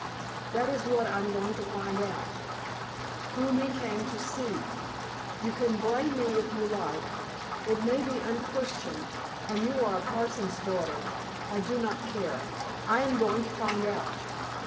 That is what I am going to find out whom he came to see. You can blame me if you like. It may be unchristian, and you are a parson's daughter. I do not care. I am going to find out."